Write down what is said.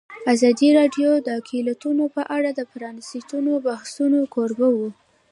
ازادي راډیو د اقلیتونه په اړه د پرانیستو بحثونو کوربه وه.